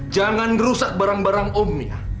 jangan rusak barang barang omnya